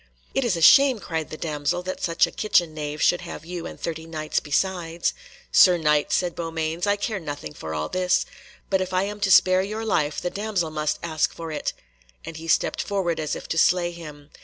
"It is a shame," cried the damsel, "that such a kitchen knave should have you and thirty Knights besides." "Sir Knight," said Beaumains, "I care nothing for all this, but if I am to spare your life the damsel must ask for it," and he stepped forward as if to slay him.